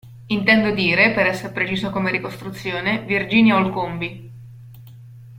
Intendo dire, per esser preciso come ricostruzione, Virginia Olcombi.